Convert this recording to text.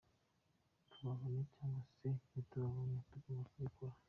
Tubabone cyangwa se ntitubabone, tugomba kubibuka.